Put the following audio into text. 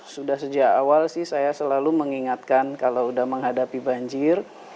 sudah sejak awal sih saya selalu mengingatkan kalau sudah menghadapi banjir